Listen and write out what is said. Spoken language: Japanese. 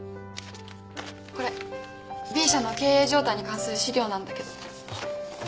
これＢ社の経営状態に関する資料なんだけど。